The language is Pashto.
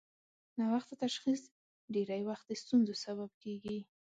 ناوخته تشخیص ډېری وخت د ستونزو سبب کېږي.